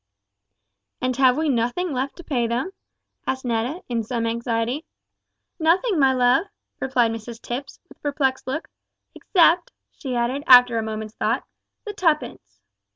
"And have we nothing left to pay them?" asked Netta, in some anxiety. "Nothing, my love," replied Mrs Tipps, with a perplexed look, "except," she added, after a moment's thought, "the tuppence!"